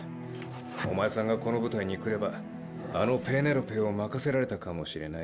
お前さんがこの部隊に来ればあのペーネロペーを任せられたかもしれない。